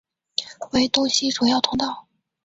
为东西主要通道。